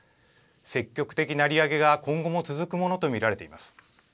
積極的な利上げが今後も続くものと見られています。